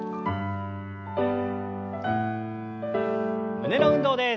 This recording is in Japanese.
胸の運動です。